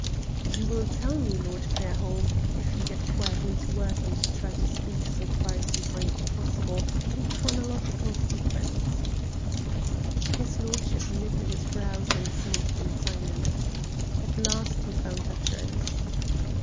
"You will tell me, Lord Fairholme, if you get quietly to work and try to speak, so far as you find it possible, in chronological sequence." His lordship knitted his brows and smoked in silence. At last he found utterance.